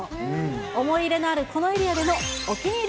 思い入れのあるこのエリアでのお気に入り